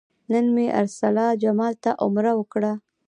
نن مې ارسلا جمال ته عمره وکړه.